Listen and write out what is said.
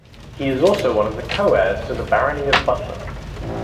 He is also one of the co-heirs to the Barony of Butler.